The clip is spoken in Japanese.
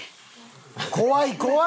怖い怖い！